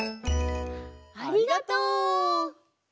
ありがとう。